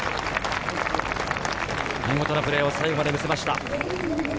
見事なプレーを最後まで見せました。